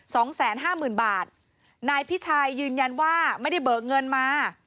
สองแสนห้าหมื่นบาทนายพิชัยยืนยันว่าไม่ได้เบิกเงินมา